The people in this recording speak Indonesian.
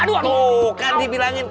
aduh kan dibilangin